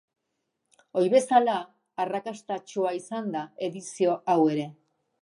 Ohi bezala, arrakastatsua izan da edizio hau ere.